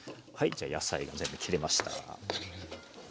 はいじゃあ野菜が全部切れました。